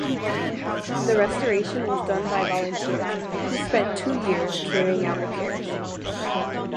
The restoration was done by volunteers, who spent two years carrying out repairs.